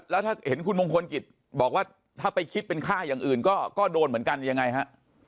แล้วถ้าเห็นคุณมงคลกิจบอกว่าถ้าไปคิดเป็นค่าอย่างอื่นก็โดนเหมือนกันยังไงฮะ